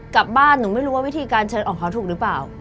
กลับบ้านหนูไม่รู้ว่าวิธีการเชิญของเขาถูกหรือเปล่า